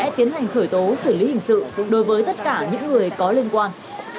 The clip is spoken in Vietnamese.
kiến hành khởi tố xử lý hình sự đối với tất cả những người có liên quan